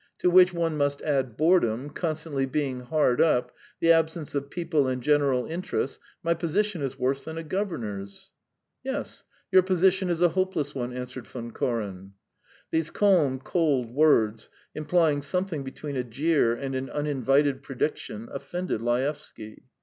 To which one must add boredom, constantly being hard up ... the absence of people and general interests .... My position is worse than a governor's." "Yes, your position is a hopeless one," answered Von Koren. These calm, cold words, implying something between a jeer and an uninvited prediction, offended Laevsky.